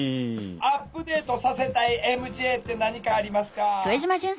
アップデートさせたいＭＪって何かありますか？